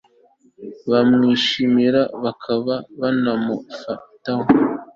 bamwishimira bakaba banamufataho